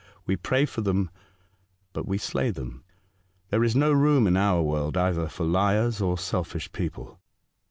We pray for them, but we slay them. There is no room in our world either for liars or selfish people."